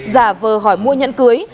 giả vờ hỏi mua nhẫn cưới